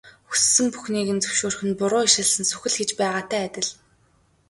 Хүссэн бүхнийг нь зөвшөөрөх нь буруу ишилсэн сүх л хийж байгаатай адил.